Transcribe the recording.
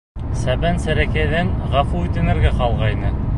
— Себен-серәкәйҙән ғәфү үтенергә ҡалғайны.